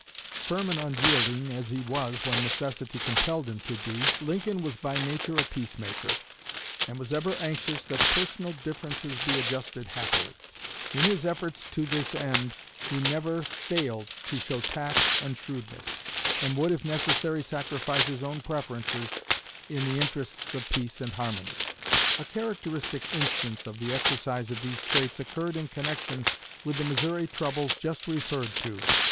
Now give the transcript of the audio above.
Firm and unyielding as he was when necessity compelled him to be, Lincoln was by nature a peace maker, and was ever anxious that personal differences be adjusted happily. In his efforts to this end he never failed to show tact and shrewdness, and would if necessary sacrifice his own preferences in the interests of peace and harmony. A characteristic instance of the exercise of these traits occurred in connection with the Missouri troubles just referred to.